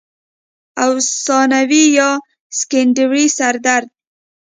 او ثانوي يا سيکنډري سردرد